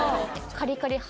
カリカリ派